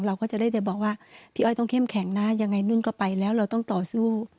เราก็จะได้แต่บอกว่าพี่อ้อยต้องเข้มแข็งนะยังไงนุ่นก็ไปแล้วเราต้องต่อสู้